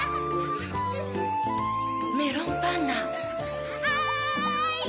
メロンパンナおい！